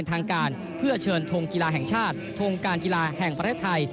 ทรงการกีฬาแห่งชาติทรงการกีฬาแห่งประเทศไทย